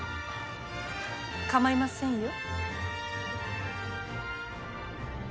構いませんよ。